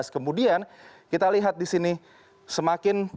kemudian kita lihat di sini semakin